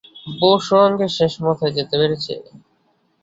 বোহ, সুরঙ্গের শেষ মাথায় যেতে পেরেছ?